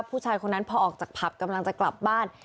ผู้ชายคนนั้นพอออกจากผับกำลังจะกลับบ้าน